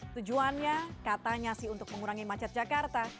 tujuannya katanya sih untuk mengurangi macet jakarta